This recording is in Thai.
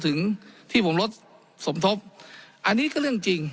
ถึงที่ผมลดสมทบอันนี้ก็เรื่องจริง